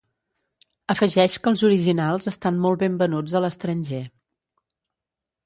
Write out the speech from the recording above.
Afegeix que els originals estan molt ben venuts a l'estranger.